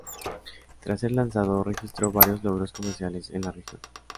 Tras ser lanzado, registró varios logros comerciales en la región.